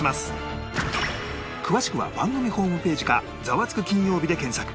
詳しくは番組ホームページか『ザワつく！金曜日』で検索